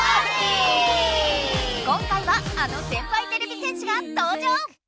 今回はあの先輩てれび戦士が登場！